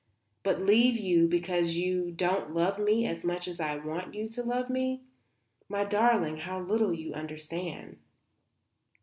But leave you because you don't love me as much as I want you to love me! My darling, how little you understand."